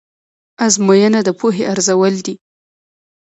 ازموینه د پوهې ارزول دي.